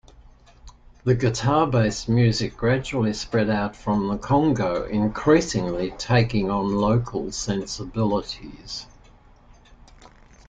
The guitar-based music gradually spread out from the Congo, increasingly taking on local sensibilities.